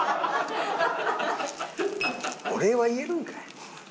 お礼は言えるんかい。